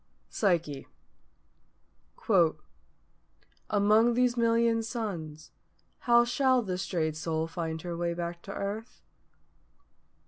PSYCHE. "_Among these million Suns how shall the strayed Soul find her way back to earth?